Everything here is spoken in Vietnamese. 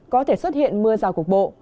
có thể xuất hiện mưa rào cục bộ